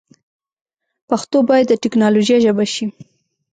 پښتو باید د ټیکنالوجۍ ژبه شي.